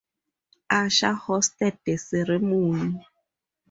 Usher hosted the ceremony.